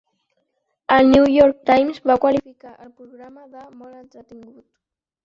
El 'New York Times' va qualificar el programa de "molt entretingut".